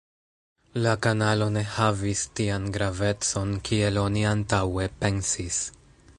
La kanalo ne havis tian gravecon, kiel oni antaŭe pensis.